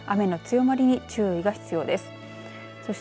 雨の降りだしに注意が必要です。